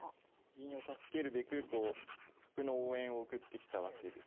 銀を助けるべくこう角の応援を送ってきたわけですが。